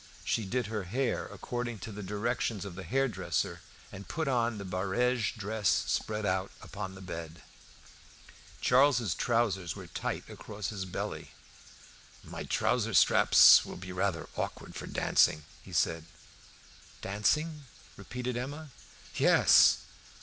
She did her hair according to the directions of the hairdresser, and put on the barege dress spread out upon the bed. Charles's trousers were tight across the belly. "My trouser straps will be rather awkward for dancing," he said. "Dancing?" repeated Emma. "Yes!"